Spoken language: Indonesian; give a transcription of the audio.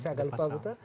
saya agak lupa pak buta